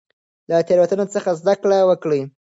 له تیروتنو څخه زده کړه وکړئ.